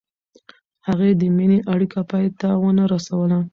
هغې د مینې اړیکه پای ته ونه رسوله.